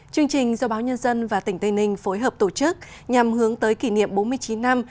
chương trình do báo nhân dân và tỉnh tây ninh phối hợp tổ chức nhằm hướng tới kỷ niệm bốn mươi chín năm